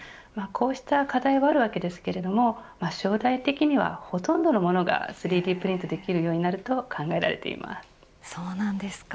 こうした課題はありますが将来的には、ほとんどの物が３Ｄプリントできるようになると考えられています。